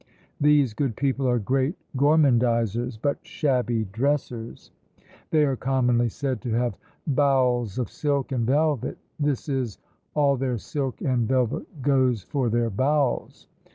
These good people are great gormandizers, but shabby dressers; they are commonly said to have "bowels of silk and velvet;" this is, all their silk and velvet goes for their bowels!